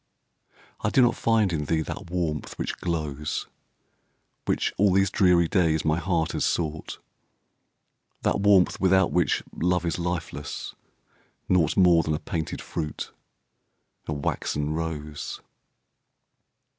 I do not find in thee that warmth which glows, Which, all these dreary days, my heart has sought, That warmth without which love is lifeless, naught More than a painted fruit, a waxen rose.